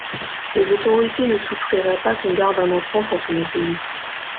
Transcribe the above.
Les autorités ne souffriraient pas qu'on garde un enfant quand on est payé.